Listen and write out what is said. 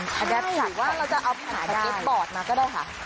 ใช่ว่าเราจะเอาผ่านพระดิษฐ์บอร์ดมาก็ได้ค่ะ